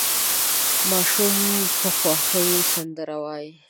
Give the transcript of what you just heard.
ماشوم په خوښۍ سندره وايي.